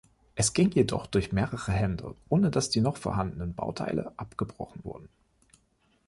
Es ging jedoch durch mehrere Hände, ohne dass die noch vorhandenen Bauteile abgebrochen wurden.